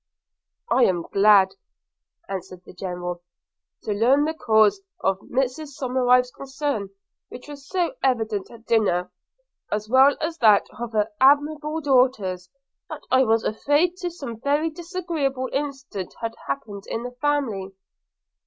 'I am glad,' answered the General, 'to learn the cause of Mrs Somerive's concern, which was so evident at dinner, as well as that of her amiable daughters, that I was afraid some very disagreeable incident had happened in the family.'